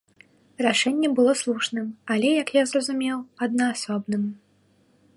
Рашэнне было слушным, але, як я зразумеў, аднаасобным.